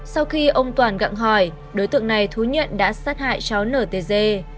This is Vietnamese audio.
sau khi ông toàn gặng hỏi đối tượng này thú nhận đã sát hại cháu nở tê dê